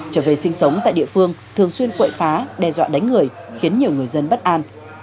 trở về sinh sống tại địa phương thường xuyên quậy phá đe dọa đánh người khiến nhiều người dân bất an